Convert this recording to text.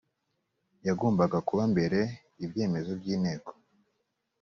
yagombaga kuba mbere ibyemezo by inteko